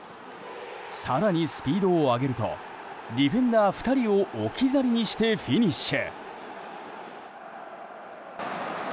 更にスピードを上げるとディフェンダー２人を置き去りにしてフィニッシュ！